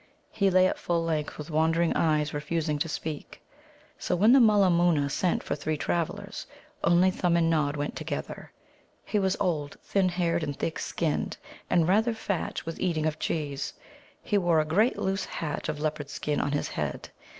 He lay at full length, with wandering eyes, refusing to speak. So, when the Mulla moona sent for the three travellers, only Thumb and Nod went together. He was old, thin haired and thick skinned, and rather fat with eating of cheese; he wore a great loose hat of leopard skin on his head.